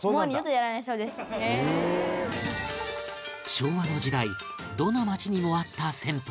昭和の時代どの町にもあった銭湯